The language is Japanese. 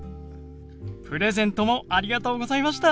プレゼントもありがとうございました。